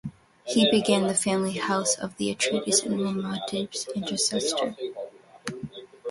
He began the family house of the Atreides and was Muad'Dib's ancestor.